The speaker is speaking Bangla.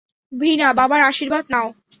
ভীনা, বাবার আশীর্বাদ নাও।